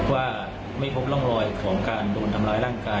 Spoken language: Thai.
ว่าไม่พบร่องรอยของการโดนทำร้ายร่างกาย